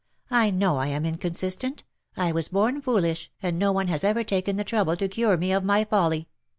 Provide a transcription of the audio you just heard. ^' I know I am incon sistent — I was born foolish, and no one has ever taken the trouble to cure me of my folly.